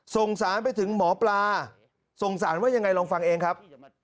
ส่งสารไปถึงหมอปลาสงสารว่ายังไงลองฟังเองครับ